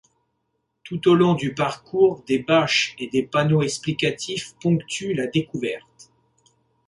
Tout au long du parcours, des bâches et des panneaux explicatifs ponctuent la découverte.